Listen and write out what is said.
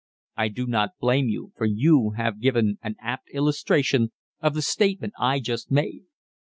"I do not blame you, for you have given an apt illustration of the statement I just made.